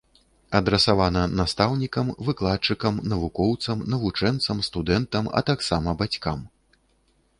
Адрасавана настаўнікам, выкладчыкам, навукоўцам, навучэнцам, студэнтам, а таксама бацькам.